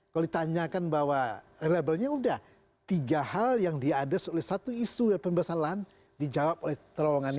kalau ditanyakan bahwa reliable nya udah tiga hal yang di ada satu isu pembebasan lahan di jawab oleh terowongan ini